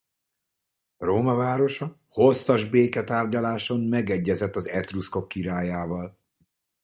Róma városa hosszas béketárgyaláson megegyezett az etruszkok királyával.